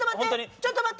ちょっと待って！